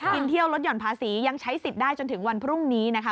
กินเที่ยวลดหย่อนภาษียังใช้สิทธิ์ได้จนถึงวันพรุ่งนี้นะคะ